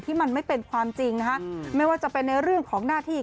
ที่มันไม่เป็นความจริงนะคะไม่ว่าจะเป็นในเรื่องของหน้าที่